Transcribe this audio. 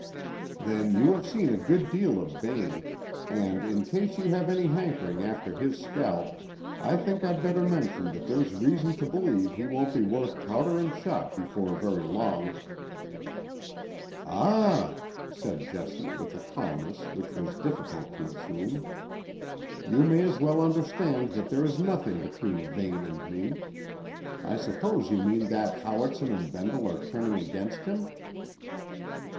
"Then you have seen a good deal of Vane, and, in case you have any hankering after his scalp, I think I'd better mention that there's reason to believe he won't be worth powder and shot before very long." "Ah!" said Jessie, with a calmness which was difficult to assume, "you may as well understand that there is nothing between Vane and me. I suppose you mean that Howitson and Bendle are turning against him?"